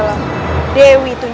beliau adalah mertuamu